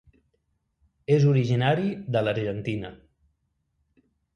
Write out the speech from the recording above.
És originari de l'Argentina.